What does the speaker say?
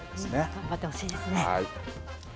頑張ってほしいですね。